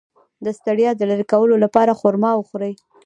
د ستړیا د لرې کولو لپاره خرما وخورئ